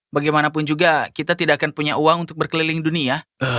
bagaimanapun juga kita tidak akan punya uang untuk berkeliling dunia